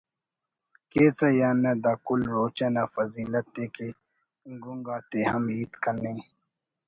کیسہ یا نہ دا کل روچہ نا فضیلت ءِ کہ گنگ آتے ہم ہیت کننگ